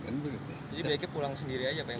jadi baiknya pulang sendiri aja pak